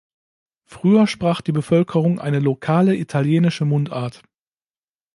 Früher sprach die Bevölkerung eine lokale italienische Mundart.